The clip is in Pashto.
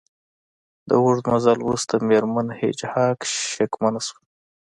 د اوږد مزل وروسته میرمن هیج هاګ شکمنه شوه